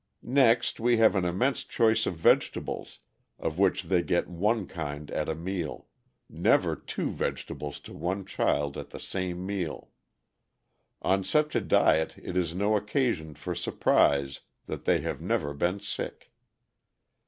Next we have an immense choice of vegetables, of which they get one kind at a meal never two vegetables to one child at the same meal. On such a diet it is no occasion for surprise that they have never been sick.